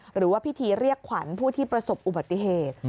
หรือว่าพิธีเรียกขวัญผู้ที่ประสบอุบัติเหตุ